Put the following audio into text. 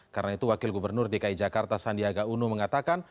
karena itu wakil gubernur dki jakarta sandiaga uno mengatakan